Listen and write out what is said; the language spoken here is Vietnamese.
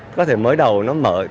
có thể mới đầu nó mở